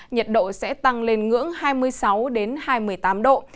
nhiệt độ sẽ tăng lên ngưỡng hai mươi sáu hai mươi tám độ